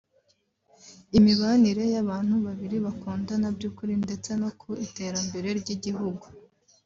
imibanire y'abantu babiri bakundana by'ukuri ndetse no ku iterambere ry'igihugu